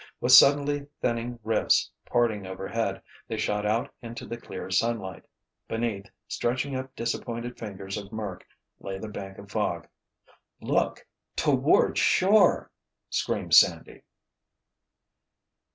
With suddenly thinning rifts parting overhead they shot out into the clear sunlight. Beneath, stretching up disappointed fingers of murk lay the bank of fog. "Look—toward shore!" screamed Sandy.